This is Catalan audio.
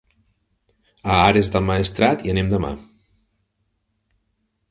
A Ares del Maestrat hi anem demà.